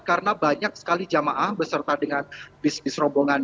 karena banyak sekali jemaah beserta dengan bisnis rombongan